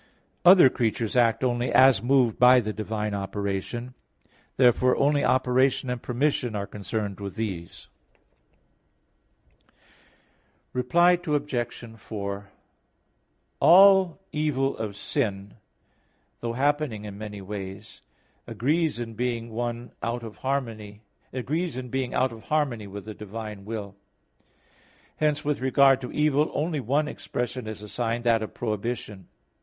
Other creatures act only as moved by the divine operation; therefore only operation and permission are concerned with these. Reply Obj. 4: All evil of sin, though happening in many ways, agrees in being out of harmony with the divine will. Hence with regard to evil, only one expression is assigned, that of prohibition.